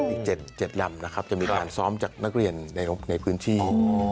อีก๗ลำนะครับจะมีการซ้อมจากนักเรียนในพื้นที่